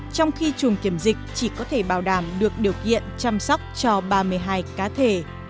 trong khi chùm kiểm dịch chỉ có thể bảo đảm được điều kiện chăm sóc cho ba mươi hai cá thể